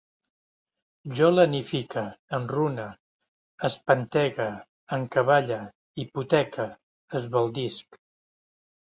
Jo lenifique, enrune, espentege, encavalle, hipoteque, esbaldisc